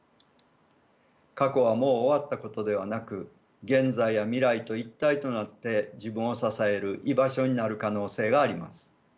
過去はもう終わったことではなく現在や未来と一体となって自分を支える居場所になる可能性があります。